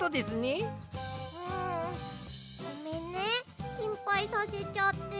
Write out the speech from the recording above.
うんごめんねしんぱいさせちゃって。